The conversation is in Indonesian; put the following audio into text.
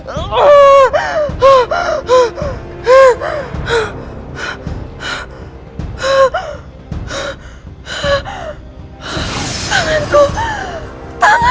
jangan helped nanti jadi tidak ada kriteria